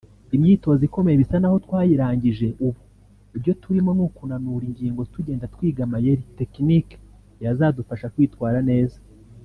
Imyitozo ikomeye bisa naho twayirangije ubu ibyo turimo ni ukunanura ingingo tugenda twiga amayeri (Technics) yazadufasha kwitwara neza